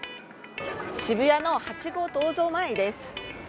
渋谷のハチ公銅像前です。